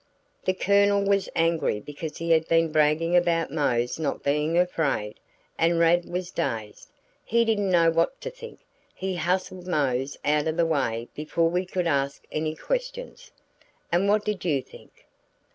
"The Colonel was angry because he had been bragging about Mose not being afraid, and Rad was dazed. He didn't know what to think; he hustled Mose out of the way before we could ask any questions." "And what did you think?"